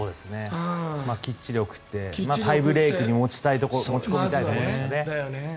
きっちり送ってタイブレークに持ち込みたいところですよね。